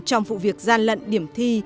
trong vụ việc gian lận điểm thi